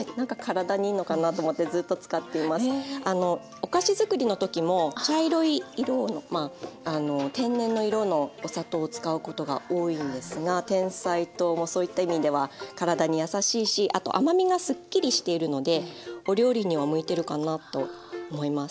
お菓子作りの時も茶色い色の天然の色のお砂糖を使うことが多いんですがてんさい糖もそういった意味では体に優しいしあと甘みがすっきりしているのでお料理には向いてるかなと思います。